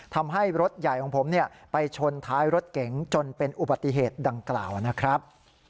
ทำให้รถใหญ่ของผมไปชนท้ายรถเก๋งจนเป็นอุบัติเหตุดังกล่าวนะครับ